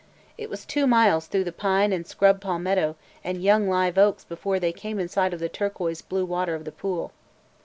It was two miles through the pine and scrub palmetto and young live oaks before they came in sight of the turquoise blue water of the pool.